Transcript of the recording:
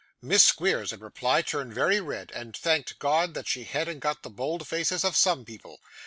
Miss Squeers, in reply, turned very red, and thanked God that she hadn't got the bold faces of some people.